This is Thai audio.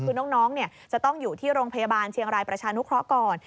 คือน้องจะต้องอยู่ที่โรงพยาบาลเชียงรายประชานุเคราะห์ก่อน